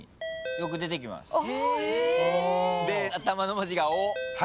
頭の文字が。